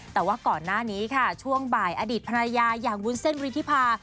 แต่ว่าก่อนหน้านี้ค่ะช่วงบ่ายอดีตภรรยาอย่างวุ้นเส้นวิธิพา